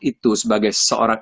itu sebagai seorang